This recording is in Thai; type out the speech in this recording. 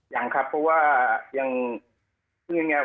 ยังครับเพราะว่ายังอยู่ด้วยเครื่องนะครับ